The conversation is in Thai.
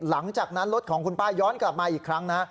หลังจากนั้นรถของคุณป้าย้อนกลับมาอีกครั้งนะ